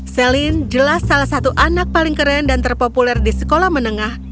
celine jelas salah satu anak paling keren dan terpopuler di sekolah menengah